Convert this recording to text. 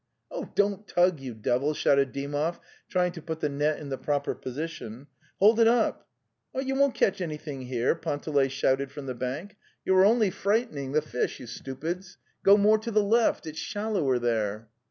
'Don't tug, you devil!' shouted Dymov trying to put the net in the proper position. '' Hold it pes "You won't catch anything here,' Panteley shouted from the bank, '' You are only frighten 232 The Tales of Chekhov ing the fish, you stupids! Go more to the left! It's shallower there!